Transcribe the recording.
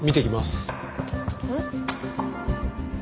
うん？